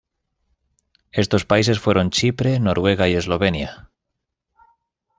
Estos países fueron Chipre, Noruega y Eslovenia.